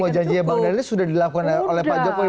jadi semua janji yang bang daniel sudah dilakukan oleh pak jokowi